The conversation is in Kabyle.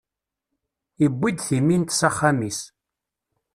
Iwwi-d timint s axxam-is.